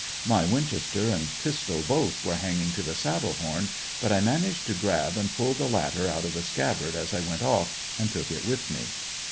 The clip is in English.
My winchester and pistol both were hanging to the saddle horn, but I managed to grab and pull the latter out of the scabbard as I went off, and took it with me.